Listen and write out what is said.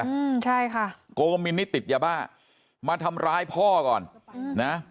อืมใช่ค่ะโกมินนี่ติดยาบ้ามาทำร้ายพ่อก่อนอืมนะ